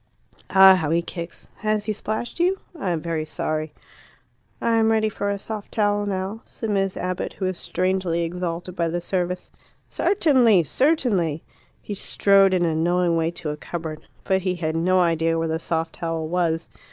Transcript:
Ah, how he kicks! Has he splashed you? I am very sorry." "I am ready for a soft towel now," said Miss Abbott, who was strangely exalted by the service. "Certainly! certainly!" He strode in a knowing way to a cupboard. But he had no idea where the soft towel was.